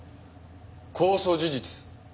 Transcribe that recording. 公訴事実。